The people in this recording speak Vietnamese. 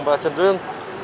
và trần dương